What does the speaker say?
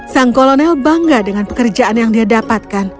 sang kolonel bangga dengan pekerjaan yang dia dapatkan